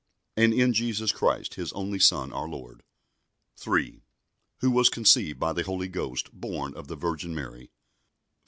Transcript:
And in Jesus Christ His only Son our Lord, 3. Who was conceived by the Holy Ghost, born of the Virgin Mary, 4.